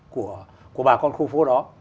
của bà con khu phố đó